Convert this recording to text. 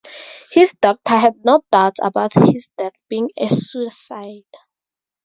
His doctor had no doubts about his death being a suicide.